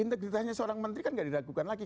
integritasnya seorang menteri kan gak diragukan lagi